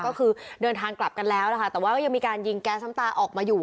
ก็คือเดินทางกลับกันแล้วนะคะแต่ว่าก็ยังมีการยิงแก๊สน้ำตาออกมาอยู่